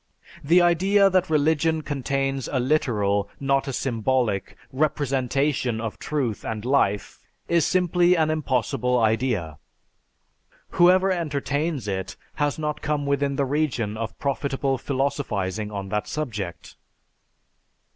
The idea that religion contains a literal, not a symbolic, representation of truth and life is simply an impossible idea. Whoever entertains it has not come within the region of profitable philosophizing on that subject."